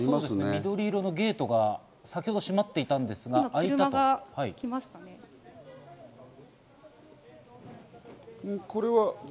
緑色のゲートが先ほど閉まっていたんですが、開いたと。